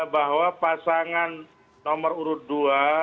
bahwa pasangan nomor urut dua